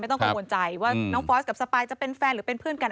ต้องกังวลใจว่าน้องฟอสกับสปายจะเป็นแฟนหรือเป็นเพื่อนกัน